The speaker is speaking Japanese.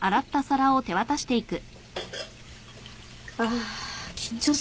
あ緊張する。